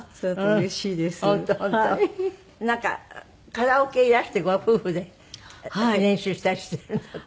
なんかカラオケいらしてご夫婦で練習したりしているんだって？